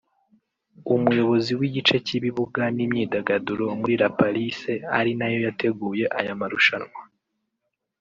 umuyobozi w'igice cy'ibibuga n'imyidagaduro muri La Palisse ari nayo yateguye aya marushanwa